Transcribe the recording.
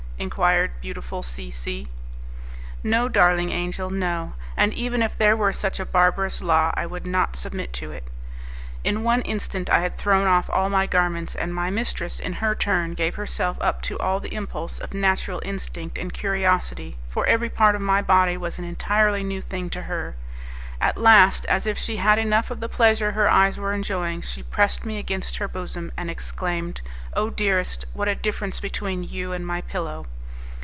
enquired beautiful C C . "No, darling angel, no; and even if there were such a barbarous law, I would not submit to it." In one instant, I had thrown off all my garments, and my mistress, in her turn, gave herself up to all the impulse of natural instinct and curiosity, for every part of my body was an entirely new thing to her. At last, as if she had had enough of the pleasure her eyes were enjoying, she pressed me against her bosom, and exclaimed, "Oh! dearest, what a difference between you and my pillow!"